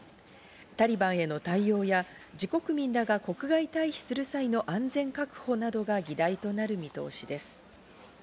タリバンへの対応や自国民らが国外退避する際の安全確保などが議題となる見通